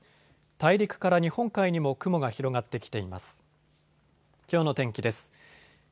大陸から日本海にも雲が広がってきています。